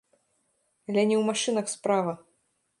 Але не ў машынах справа.